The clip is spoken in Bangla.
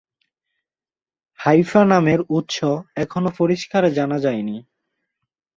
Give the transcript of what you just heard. হাইফা নামের উৎস এখনো পরিষ্কার জানা যায়নি।